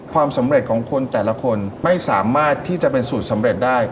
ความสำเร็จของคนแต่ละคนไม่สามารถที่จะเป็นสูตรสำเร็จได้